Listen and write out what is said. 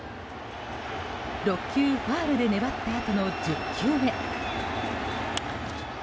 ６球ファウルで粘ったあとの１０球目。